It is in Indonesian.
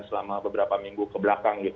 selama beberapa minggu kebelakang